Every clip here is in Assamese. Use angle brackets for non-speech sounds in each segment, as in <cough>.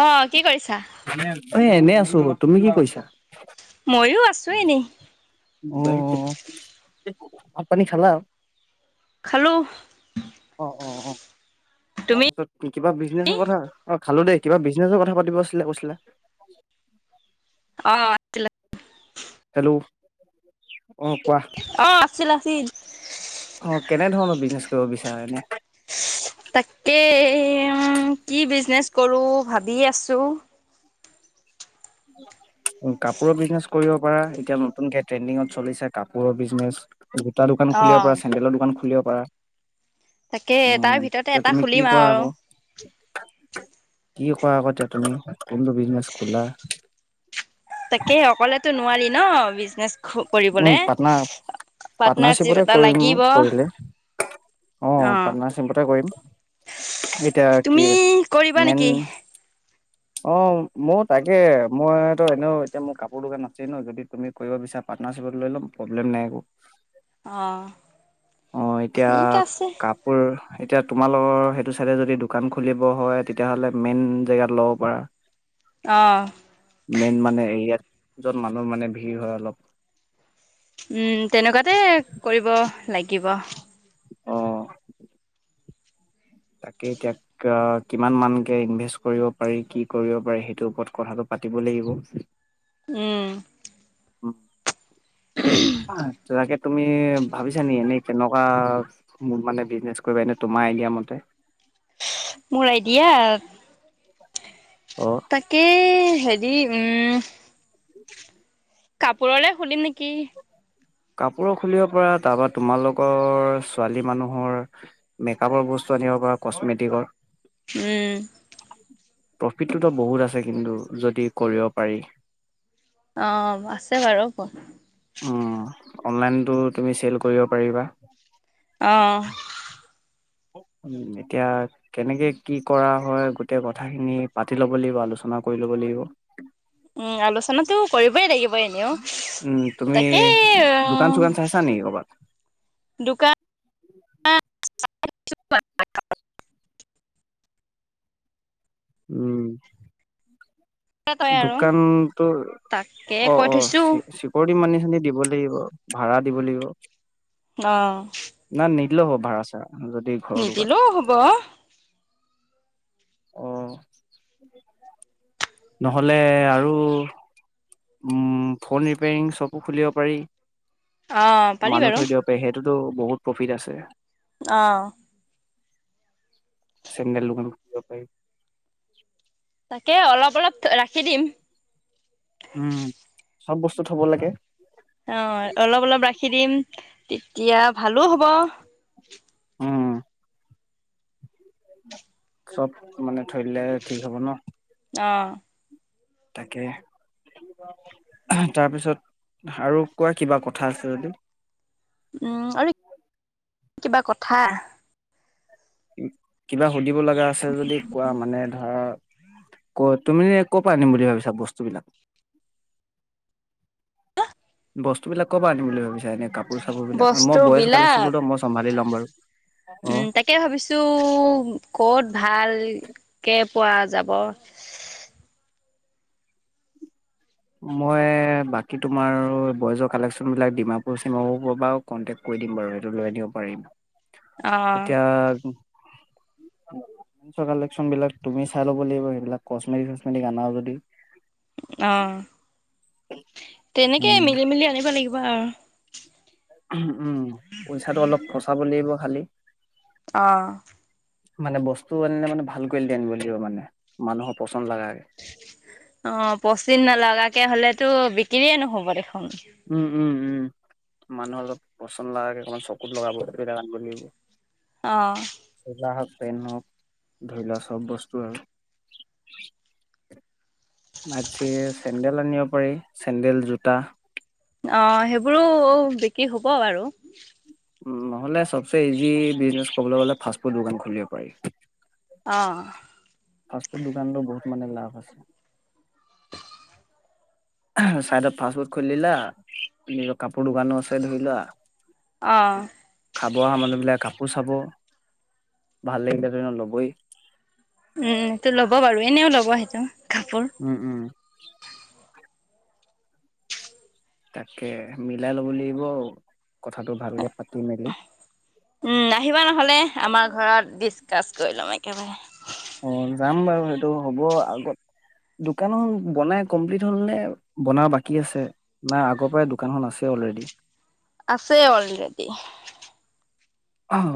অ কি কৰিছা এ এনে আছো তুমি কি কৰিছা মইয়ো আছো এনেই অ ভাত পানী খালা খালোঁ অ অ তুমি তাৰপিছত কিবা বিজনেছৰ কথা খালো দেই কিবা বিজনেছৰ কথা পাতিব আছিলে কৈছিলা অ আছিলা হেল্ল' অ কোৱা অ আছিল আছিল অ কেনেধৰণৰ বিজনেচ কৰিব বিচাৰে এনে তাকে কি বিজনেচ কৰো ভাবি আছো <inaudible> কাপোৰৰ বিজনেচ কৰিব পাৰা এতিয়া নতুনকে ট্ৰেণ্ডিঙত চলিছে কাপোৰৰ বিজনেচ জোতা দোকান অ খুলিব পাৰা চেণ্ডেলৰ দোকান খুলিব পাৰা তাকে উম তাৰ ভিতৰতে এতিয়া এটা তুমি কি খুলিম কৰা আৰু আকৌ কি কৰা আকৌ এতিয়া তুমি কোনটো বিজনেছ খোলা তাকেই অকলেতো নোৱাৰি ন বিজনেচ খু উম পাৰ্টনাৰ পাৰ্টনাৰশ্বিপতে এটা কৰিম লাগিব কৰিলে অ পাৰ্টনাৰশ্বিপতে কৰিম এতিয়া কি তুমি কৰিবা মেইন নেকি অ মোৰ তাকে মইতো এনেও এতিয়া মোৰ কাপোৰ দোকান আছেই ন যদি তুমি কৰিব বিচাৰা পাৰ্টনাৰশ্বিপত লৈ লম প্ৰব্লেম নাই একো অ অহ এতিয়া ঠিক আছে কাপোৰ এতিয়া তোমালোকৰ সেইটো ছাইডে যদি দোকান খুলিব হয় তেতিয়াহ'লে মেইন জেগাত ল'ব পাৰা <inaudible> অঁ মেইন মানে এৰিয়াত য'ত মানুহ মানে ভিৰ হয় অলপ উম তেনেকুৱাতে কৰিব লাগিব অ তাকে এতিয়া এতিয়া কিমান মানকে ইনভেষ্ট কৰিব পাৰি কি কৰিব পাৰি সেইটোৰ ওপৰত কথাটো পাতিব লাগিব উম তাকে তুমি ভাবিছা নেকি এনেই কেনেকুৱা মোৰ মানে বিজনেছ কৰিবা এনে তোমাৰ আইডিয়া মতে মোৰ আইডিয়াত <inaudible> তাকে হেৰি উম কাপোৰৰে খুলিম নেকি? কাপোৰো খুলিব পৰা তাৰপৰা তোমালোকৰ ছোৱালী মানুহৰ মেকআপৰ বস্তু আনিব পৰা কচমেটিকৰ উম। প্ৰফিটটো ত বহুত আছে কিন্তু যদি কৰিব পাৰি। অ আছে বাৰু প উম অনলাইনটো তুমি চেল কৰিব পাৰিবা। অঁ। উম এতিয়া কেনেকে কি কৰা হয় গোটেই কথাখিনি পাতি ল'ব লাগিব, আলোচনা কৰি ল'ব লাগিব। উম আলোচনাটো কৰিবই লাগি ব এনেও উম, তুমি তাকে অ দোকান চোকান চাইছা নেকি ক'ৰবাত? দোকা <unintelligible> উম। তই আৰু দোকান তোৰ তাকে অ কৈ অ থৈছো চি চিপ <unintelligible> মানি চানি দিব লাগিব, ভাড়া দিব লাগিব। অ। নাই নিদিলেও হব ভাড়া - চাড়া যদি ঘৰৰ দোকান নিদিলেও হ'ব। অ, নহ'লে আৰু উম ফোন ৰিপেয়াৰিং শ্বপো খুলিব পাৰি, অ পাৰি মানুহ বাৰু থৈ দিয়ক। <unintelligible> সেইটোতো বহুত প্ৰফিট আছে। অ চেণ্ডেল দোকান খুলিব পাৰি। তাকে অলপ অলপ ৰাখি দিম। উম, চব বস্তু থব লাগে। অ অলপ অলপ ৰাখি দিম তেতিয়া ভালো হ'ব। উম। চব মানে থৈ দিলে ঠিক হব ন। অঁ। তাকে আহ তাৰপিছত আৰু কোৱা কিবা কথা আছে যদি? উম আৰু কিবা কথা উ কিবা সুধিব লগা আছে যদি কোৱা মানে ধৰ ক তুমি ক'ৰ পৰা আনিম বুলি ভাবিছা বস্তুবিলাক? বস্তুবিলাক কৰ পৰা আনিম বুলি ভাবিছা এনে কাপ কপোৰ - চাপোৰবিলাক, বস্তু মই বয়জ বিলাক কালেকচনতো ত মই চম্ভালি ল'ম বাৰু অ। টো ক'ত ভালকে পোৱা যাব? মই বাকী তোমাৰ বইজৰ কালেকচনবিলাক ডিমাপুৰ - চিমাপুৰ পৰ পৰাও কনটেক্ট কৰি দিম বাৰু সেইটো লৈ আনিব পাৰিম অ' এতিয়া <unintelligible> চ কালেকশ্যনবিলাক তুমি চাই ল'ব লাগিব সেইবিলাক কচমেটিক - চচমেটিক আনা যদি। অ তেনেকে মিলি মেলি আনিব লাগিব আৰু। উহু উম, পইচাটো অলপ ফচাব লাগিব খালি। অঁ মানে বস্তু আনিলে মানে ভাল কোৱালিটি আনিব লাগিব মানে মানুহৰ পচন্দ লাগাকে অ পচিন নলগাকে হলেতো বিকিৰিয়ে নহ'ব দেখোন উম উম উম মানুহৰ অলপ পচন্দ লাগাকে অকমান চকুত লগা বস্তুবিলাক আনিব লাগিব অঁ চোলা হওক পেন্ট হওক ধৰি লোৱা চব বস্তু আৰু ভাতছে চেণ্ডেল আনিব পাৰি চেন্দেল জোতা অ সেইবোৰো বিক্ৰী হ'ব বাৰু উম নহ'লে চবচে ইজি বিজনেছ কবলে গ'লে ফাষ্ট ফুড দোকান খুলিব পাৰি অঁ ফাষ্টফুড দোকানতো বহুত মানে লাভ আছে <inaudible> চাইডত ফাষ্টফুড খুলি দিলা নিজৰ কাপোৰ দোকানো আছে ধৰি লোৱা অঁ খাব আহা মানুহবিলাকে কাপোৰ চাব ভাল লাগিলেটো এনেও ল'বই উম টো ল'ব বাৰু এনেও ল'ব সেইটো কাপোৰ উম উম তাকে মিলাই ল'ব লাগিব আউ কথাটো ভালকে পাতি মেলি উম আহিবা নহলে আমাৰ ঘৰত ডিচকাচ কৰি ল'ম একেবাৰে অ যাম বাৰু সেইটো হ'ব আগত দোকানখন বনাই কমপ্লিট হ'ল নে বনাব বাকী আছে না আগপাই দোকানখন আছে অলৰেডি আছে অলৰেডি অহ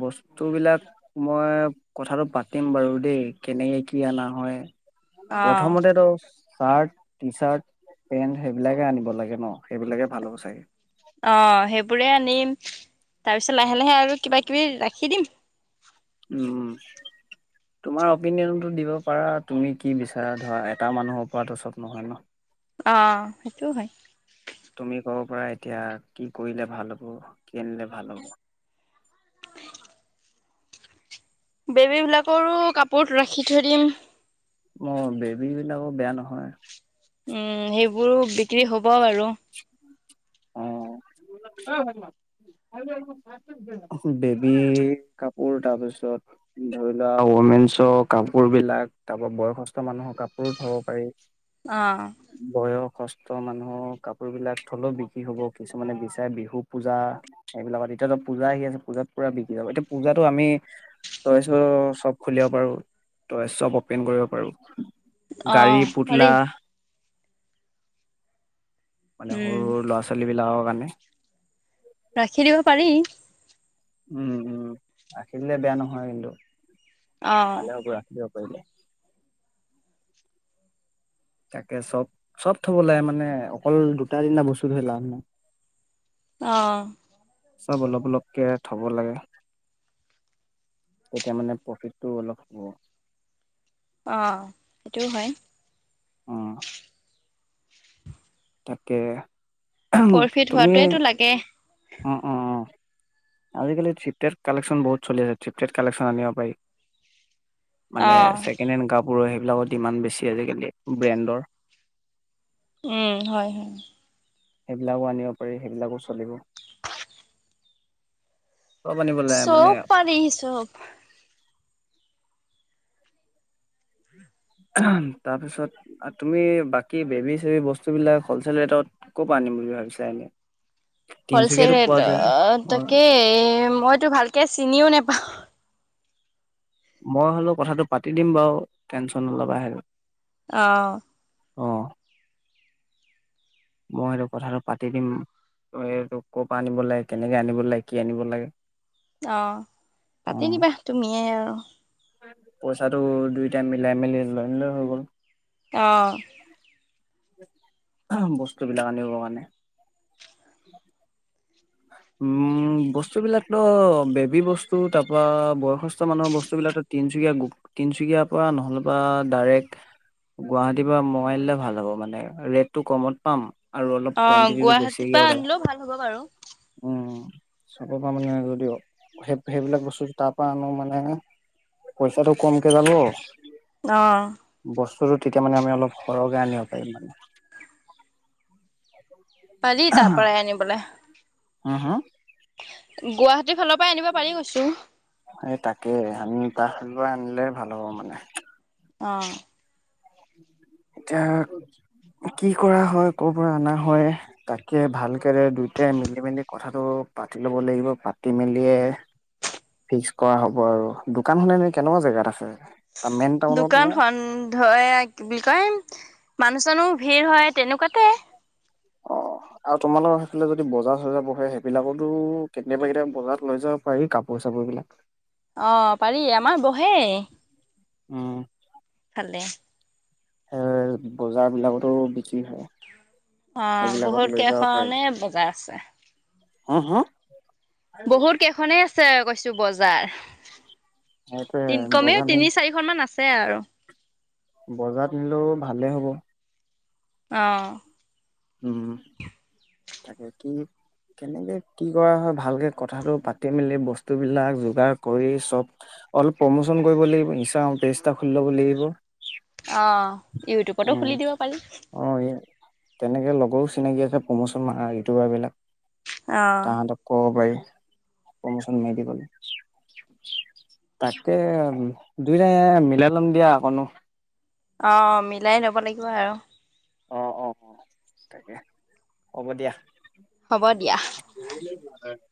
বস্তু বিলাক মই কথাটো পাতিম বাৰু দেই কেনেকে কি আনা হয় অ' প্ৰথমতে ত চাৰ্ট টি চাৰ্ট পেন্ট সেইবিলাকে আনিব লাগে ন সেইবিলাকে ভাল হ'ব চাগে অ সেইবোৰে আনিম তাৰপিছত লাহে লাহে আৰু কিবা কিবি ৰাখি দিম উম তোমাৰ অপিনিয়নটো দিব পাৰা তুমি কি বিচাৰা ধৰা এটা মানুহৰ পৰাতো চব ন- অ সেইটোও হয় তুমি ক'ব পৰা এতিয়া কি কৰিলে ভাল হ'ব কি আনিলে ভাল হ'ব বেবী বিলাকৰো কাপোৰত ৰাখি থৈ দিম ম বেবী বিলাকো বেয়া নহয় উম সেইবোৰো বিক্ৰী হ'ব বাৰু অ ভাইটি মাক খাই লোৱাহি চোন ভাত বেবী কাপোৰ তাৰপিছত ধৰি লোৱা অমেনছৰ কাপোৰ বিলাক তাপা বয়সস্থ মানে অ কাপোৰো থব পাৰি অ বয়সস্থ মানুহৰ কাপোৰ বিলাক থলও বিক্ৰী হ'ব কিছুমানে বিচাৰে বিহু পূজা এইবিলাকত এতিয়াতো পূজা আহি আছে পূজাত পুৰা বিকি যাব এতিয়া পূজাতো আমি টইছৰ শ্বপ খুলিব পাৰো টইঠ শ্বপ অপেন কৰিব পাৰো অ গাড়ী, পুতলা পাৰি মানে সৰু উম ল'ৰা-ছোৱালীবিলাকৰ কাৰণে ৰাখি দিব পাৰি। উম্, উম্, ৰাখি দিলে বেয়া নহয় কিন্তু। অ ভালে হ'ব ৰাখি দিব পাৰিলে। তাকে চব, চব থ'ব লাগে মানে। অকল দুটা তিনিটা বস্তু থৈ লাভ নাই। অ', চব অলপ অলপকে থ'ব লাগে। তেতিয়া মানে প্ৰফিটটো অলপ হ'ব। অ', সেইটোও হয়। অ', তাকে, তুমি তাকে উম্, উম্। আজিকালি ফিপটেট কালেকচন বহুত চলি আছে, ফিপটেট কালেকচন আনিব পাৰি। অ মানে ছেকেণ্ড হেণ্ড কাপোৰৰ, সেইবিলাকৰ দিমান বেছি আজিকালি ব্ৰেণ্ডৰ। উম্, হয় হয়। সেইবিলাকো আনিব পাৰি, সেইবিলাকো চলিব। চব আনিব লাগে মানে চব পাৰি চব। তাৰপিছত। তুমি বাকী বেবী চেবি বস্তুবিলাক হ'লচেল ৰেটত ক'ৰ পৰা আনিম বুলি ভাবিছাঁ, এনেই। হ'লচেল ৰেটত, অ তাকেই মইতো ভালকে চিনিও নাপাওঁ। মই হ'লো কথাটো পাতি দিম বাৰু, টেনশন ন'লবা হে। অ', অ', মই সেইটো কথাটো পাতি দিম। এইটো ক'ৰ আনিব লাগে, কেনেকে আনিব লাগে, কি আনিব লাগে। অ', অ পাতি দিবা, তুমিয়ে আৰু। পইচাটো দুইটাই মিলাই মিলি লৈ আনিলে হৈ গ'ল। অ'। বস্তুবিলাক আনিব কাৰণে। <inaudible> উম্, বস্তুবিলাকতো বেবী বস্তু তাৰপৰা, বয়সস্থ মানুহৰ বস্তুবিলাক তিনচুকীয়া গো, তিনচুকীয়াৰ পৰা নহ'লে বা ডাইৰেক্ট গুৱাহাটীৰ পৰা মগাই আনিলে ভাল হ'ব মানে, ৰেটটো কমত পাম। আৰু অ অলপ কোৱেণ্টিটিটো গুৱাহাটীৰ বেছিকে পৰা অৰ্ডাৰ আনিলেও ভাল হ'ব বাৰু। উম্, চবৰ পৰা মানে যদিও, সেই সেইবিলাক বস্তু তাৰপৰা আনো মানে পইচাটো কমকে যাব। অ'। বস্তুটো তেতিয়া মানে আমি অলপ সৰহকে আনিব পাৰিম মানে। পাৰি তাৰ পৰাই আনিবলৈ। হা হা? গুৱাহাটীৰ ফালৰ পৰাই আনিব পাৰি কৈছোঁ। এই তাকে, আমি গুৱাহাটীৰ পৰা আনিলে ভাল হ'ব মানে। অ'। এতিয়া কি কৰা হয়, কৰ পৰা অনা হয়। তাকে ভালকে যে দুইটাই মিলি-মেলি কথাটো পাতি ল'ব লাগিব, পাতি মেলিয়ে ফিক্স কৰা হ'ব আৰু দোকান খন এনে কেনেকুৱা জোগাত আছে? মেইন টাউনত নে দোকান খন ধৰ এয়া কি বুলি কয় মানুহ-চানুহ ভিৰ হয়, তেনেকুৱাতে অ। আৰু তোমালোকৰ সেইফালে যদি বজাৰ-চজাৰ বহে সেইবিলাকতো কেতিয়াবা কেতিয়াবা বজাৰত লৈ যাব পাৰি কাপোৰ-চাপোৰ বিলাক। অ' পাৰি আমাৰ বহেই অহ এইফালে। এ বজাৰ বিলাকতো বিক্ৰী নহয়। অ', বহুত কেইখনে বজাৰ আছে। হুম হুম? বহুত কেইখনেই আছে কৈছো বজাৰ, সেইটোৱে তি কমেও বজাৰ নি তিনি চাৰি খন মান আছে আৰু। বজাৰত নিলোঁ ভালে হ'ব। অ উম, তাকে কি কেনেকে কি কৰা হয়, ভালকে কথাটো পাতি মেলি বস্তুবিলাক যোগাৰ কৰি চব অলপ প্ৰমোচন কৰিব লাগিব ইনষ্টাগ্ৰামত পেজ এটা খুলি ল'ব লাগিব। অ' ইউটিউবতো খুলি দিব পাৰি। অ ইয়া তেনেকে লগৰো চিনাকি আছে প্ৰমোচন মাৰা ইউটিউবাৰ বিলাক। অ। তাহাঁতক কব পাৰি প্ৰমোচন মাৰি দিবলে। তাকে দুইটাই মিলাই ল'ম দিয়া অকনো অ' মিলাই ল'ব লাগিব আৰু। অ অ হ'ব দিয়া। হ'ব দিয়া। <unintelligible>